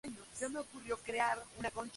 Frecuentó el Liceo Pedro Nunes.